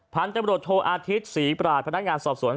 ผมอยาก